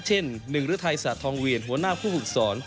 เช่นหนึ่งรถไทยสระทองเวียนหัวหน้าผู้ฝึกสอน